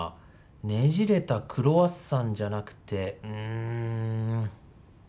ねじれたクロワッサンじゃなくて、うーん。